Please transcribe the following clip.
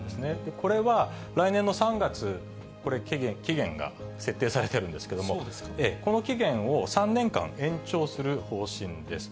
これは来年の３月、期限が設定されているんですけれども、この期限を３年間延長する方針です。